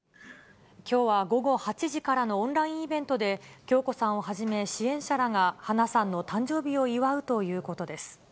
きょうは午後８時からのオンラインイベントで、響子さんをはじめ支援者らが花さんの誕生日を祝うということです。